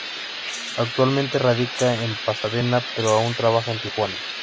Actualmente radica en Pasadena, pero aún trabaja en Tijuana.